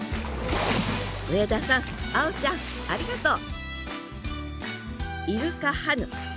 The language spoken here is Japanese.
上田さん碧ちゃんありがとう！